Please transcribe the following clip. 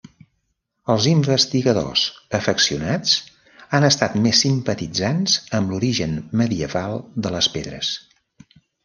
Els investigadors afeccionats han estat més simpatitzants amb l'origen medieval de les pedres.